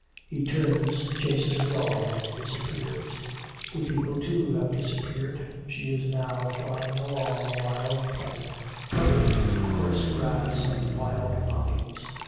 He turns, chases a dog, and disappears. The people too have disappeared. She is now flying along a wild plain covered with coarse grass and wild poppies.